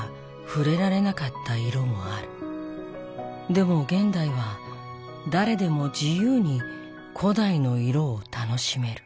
でも現代は誰でも自由に古代の色を楽しめる。